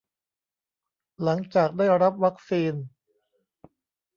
หลังจากได้รับวัคซีน